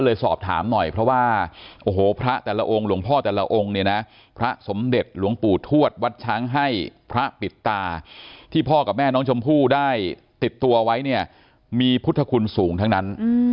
สอบถามหน่อยเพราะว่าโอ้โหพระแต่ละองค์หลวงพ่อแต่ละองค์เนี่ยนะพระสมเด็จหลวงปู่ทวดวัดช้างให้พระปิดตาที่พ่อกับแม่น้องชมพู่ได้ติดตัวไว้เนี่ยมีพุทธคุณสูงทั้งนั้น